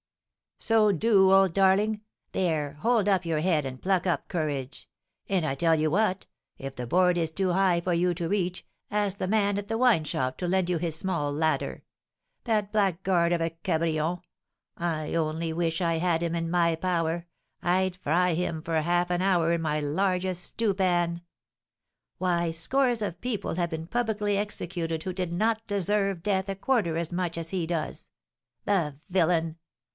'" "So do, old darling! There, hold up your head and pluck up courage! And I tell you what, if the board is too high for you to reach, ask the man at the wine shop to lend you his small ladder. That blackguard of a Cabrion! I only wish I had him in my power, I'd fry him for half an hour in my largest stew pan! Why, scores of people have been publicly executed who did not deserve death a quarter as much as he does! The villain!